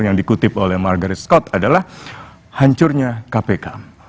yang dikutip oleh margaret scott adalah hancurnya kpk